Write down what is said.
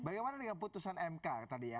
bagaimana dengan putusan mk tadi ya